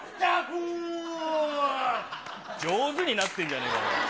上手になってんじゃねえか。